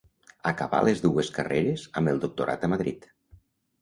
Acabà les dues carreres, amb el doctorat a Madrid.